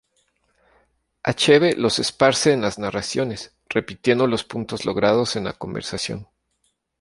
Achebe los esparce en las narraciones, repitiendo los puntos logrados en la conversación.